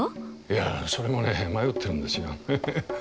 いやそれもね迷ってるんですよ。